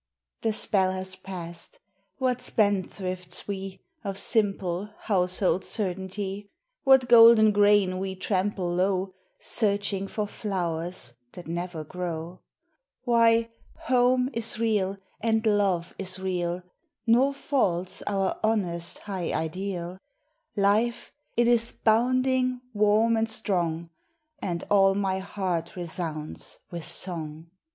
The spell has passed. What spendthrifts we, Of simple, household certainty ! What golden grain we trample low Searching for flowers that never grow! Why, home is real, and love is real ; Nor false our honest high ideal Life,— it is bounding, warm, and strong,— And all my heart resounds with snug.